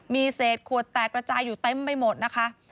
มีเศษขวดแตกระจายอยู่เต็มไปหมดนะคะ